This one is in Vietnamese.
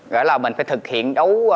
gọi là mình phải thực hiện